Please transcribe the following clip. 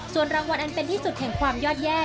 ส่วนรางวัลอันเป็นที่สุดแห่งความยอดแย่